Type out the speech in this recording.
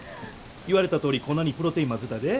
言われたとおり粉にプロテイン混ぜたで。